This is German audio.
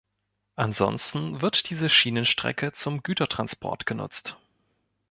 Ansonsten wird diese Schienenstrecke zum Gütertransport benutzt.